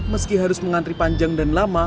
meski harus mengantri panjang dan lama